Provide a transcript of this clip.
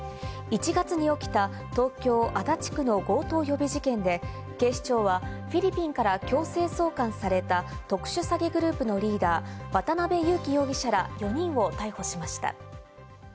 指示役・ルフィらが関わったとされる、全国で相次いだ強盗事件のうち、１月に起きた東京・足立区の強盗予備事件で、警視庁はフィリピンから強制送還された特殊詐欺グループのリーダー・渡辺優樹容疑者ら４人を逮捕しました。